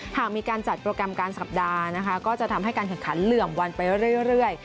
หากมีการจัดโปรแกรมการสัปดาห์นะคะก็จะทำให้การแข่งขันเหลื่อมวันไปเรื่อย